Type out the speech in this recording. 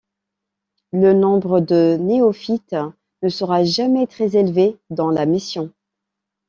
Le nombre de néophytes ne sera jamais très élevé dans la mission.